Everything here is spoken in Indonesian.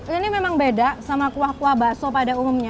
ini memang beda sama kuah kuah bakso pada umumnya